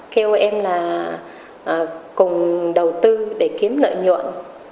kêu em cùng đầu tư để kiếm nợ nhuận